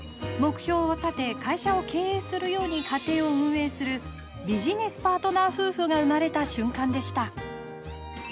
目標を立て会社を経営するように家庭を運営するビジネスパートナー夫婦が生まれた瞬間でした。